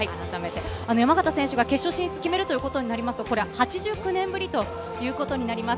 山縣選手は決勝進出を決めるということになりますと８９年ぶりということになります。